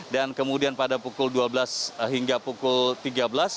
dan kemudian pada pukul sepuluh akan melakukan apel siaga dpp pdi dki di cempaka putih jakarta pusat